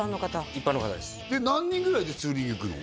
一般の方です何人ぐらいでツーリング行くの？